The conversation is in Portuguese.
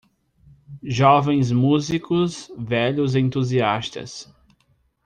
Jovens músicos, velhos entusiastas.